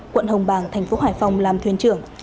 quận hồng bàng thành phố hải phòng làm thuyền trưởng